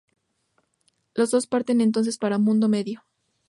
Los dos parten entonces para Mundo Medio.